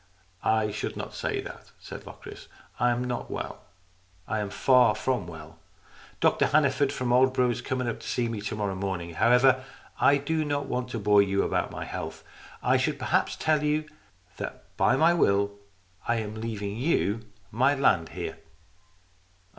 " I should not say that," said Locris. " I am not well. I am far from well. Dr Hanneford from Aldeburgh is coming up to see me to morrow morning. However, I do not want to bore you about my health. I should perhaps tell you that by my will I am leaving you my land here."